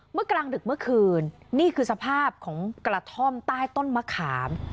กลางดึกเมื่อคืนนี่คือสภาพของกระท่อมใต้ต้นมะขาม